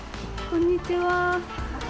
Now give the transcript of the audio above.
こんにちは。